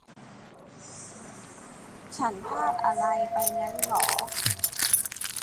ฉันพลาดอะไรไปงั้นเหรอ ?